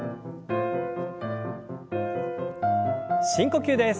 深呼吸です。